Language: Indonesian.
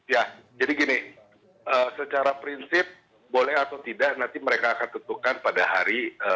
ya jadi gini secara prinsip boleh atau tidak nanti mereka akan tentukan pada hari